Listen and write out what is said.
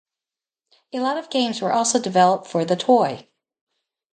A lot of games were also developed for the toy.